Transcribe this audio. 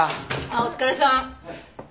あっお疲れさん。